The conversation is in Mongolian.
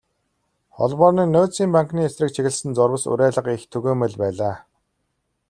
Холбооны нөөцийн банкны эсрэг чиглэсэн зурвас, уриалга их түгээмэл байлаа.